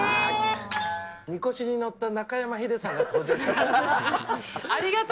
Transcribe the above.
みこしに乗った中山ヒデさんありがたい。